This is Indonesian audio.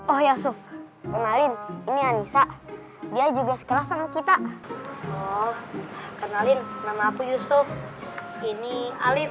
oh ya suh kenalin ini anissa dia juga sekerasa ngekita oh kenalin nama aku yusuf ini alif